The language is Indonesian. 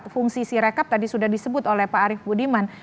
fungsi sirekap tadi sudah disebut oleh pak arief budiman